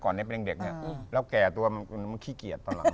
แล้วแก่ตัวมันขี้เกียจตอนหลัง